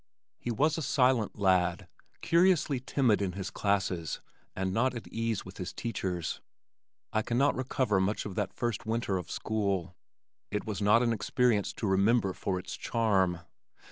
He was a silent lad, curiously timid in his classes and not at ease with his teachers. I cannot recover much of that first winter of school. It was not an experience to remember for its charm.